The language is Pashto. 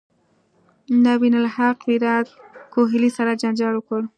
نوین الحق ویرات کوهلي سره جنجال وکړ